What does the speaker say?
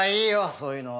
そういうのは。